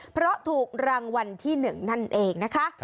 เพราะถูกรางวัลที่๑นั่นเองนะคะ